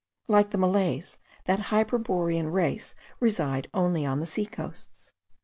Like the Malays, that hyperborean race reside only on the sea coasts.